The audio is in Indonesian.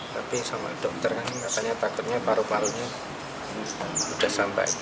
tapi sama dokter kan katanya takutnya paru parunya sudah sampai